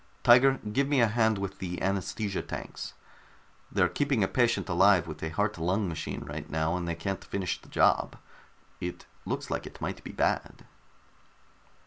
Tiger, give me a hand with the anaesthesia tanks. They're keeping a patient alive with a heart lung machine right now, and they can't finish the job. It looks like it might be bad."